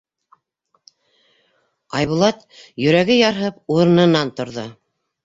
Айбулат, йөрәге ярһып, урынынан торҙо.